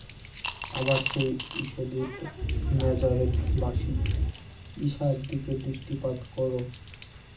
আবার, সেই ঈশদূত ন্যাজারেথবাসী ঈশার দিকে দৃষ্টিপাত কর।